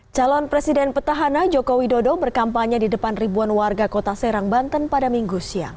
calon presiden petahana jokowi dodo berkampanye di depan ribuan warga kota serang banten pada minggu siang